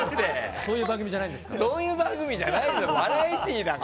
そういう番組じゃないんですか？